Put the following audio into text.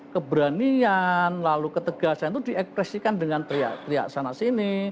keberanian lalu ketegasan itu di ekspresikan dengan teriak sana sini